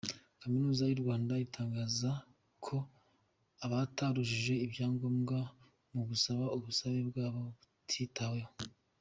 Kaminuza y’u Rwanda itangaza ko abatarujuje ibyangombwa mu gusaba, ubusabe bwabo butitaweho.